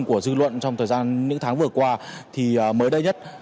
của dư luận trong thời gian những tháng vừa qua thì mới đây nhất